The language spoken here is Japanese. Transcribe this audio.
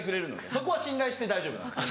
そこは信頼して大丈夫なんですよ。